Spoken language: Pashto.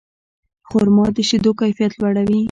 خرما د شیدو کیفیت لوړوي.